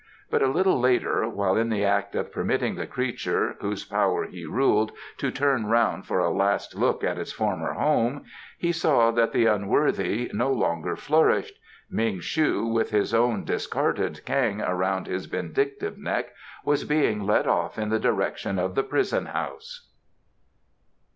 But a little later, while in the act of permitting the creature whose power he ruled to turn round for a last look at its former home, he saw that the unworthy no longer flourished. Ming shu, with his own discarded cang around his vindictive neck, was being led off in the direction of the prison house.